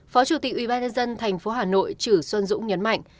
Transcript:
phó chủ tịch ubnd tp hà nội chử xuân dũng nhấn mạnh